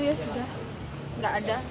dia sudah nggak ada